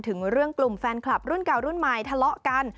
ถึงเรื่องกลุ่มแฟนคลับรุ่นเก่ารุ่นใหม่ทะเลาะกัน